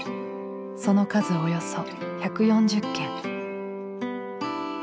その数およそ１４０軒。